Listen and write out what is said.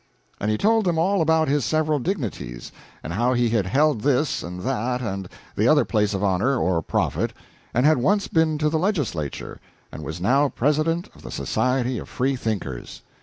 And he told them all about his several dignities, and how he had held this and that and the other place of honor or profit, and had once been to the legislature, and was now president of the Society of Free thinkers.